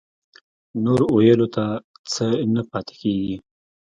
نور ويلو ته څه نه پاتې کېږي.